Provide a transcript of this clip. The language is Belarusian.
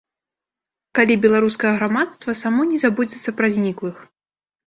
Калі беларускае грамадства само не забудзецца пра зніклых.